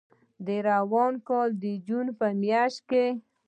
د روان کال د جون په میاشت کې